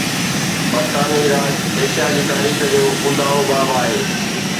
برطانوي راڄ ايشيا جي تاريخ جو اونداهو باب آهي